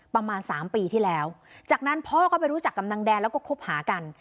ประมาณสามปีที่แล้วจากนั้นพ่อก็ไปรู้จักกับนางแดนแล้วก็คบหากัน